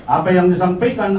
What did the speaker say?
apa yang disampaikan